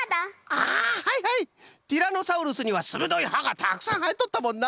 ティラノサウルスにはするどいはがたくさんはえとったもんな。